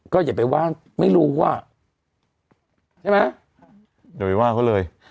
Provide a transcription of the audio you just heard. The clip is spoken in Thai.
ก็อย่าไปว่างไม่รู้อ่ะใช่ไหมอย่าไปว่าเขาเลย